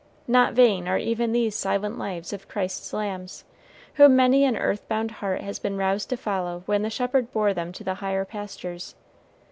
Not vain are even these silent lives of Christ's lambs, whom many an earth bound heart has been roused to follow when the Shepherd bore them to the higher pastures.